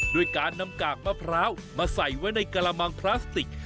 ด้วยการนำกากมะพร้าวมาใส่ไว้ในกระมังพลาสติก